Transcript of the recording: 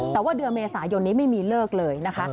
แต่ว่าเดือนเมษายนนี้ไม่มีเลิกเลยนะคะ